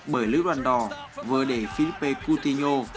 bởi lứa đoàn đỏ vừa để felipe coutinho